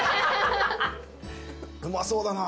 うまそうだな。